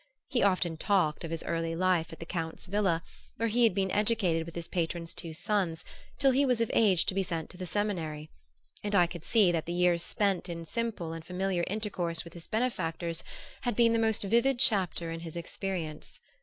He often talked of his early life at the Count's villa, where he had been educated with his patron's two sons till he was of age to be sent to the seminary; and I could see that the years spent in simple and familiar intercourse with his benefactors had been the most vivid chapter in his experience.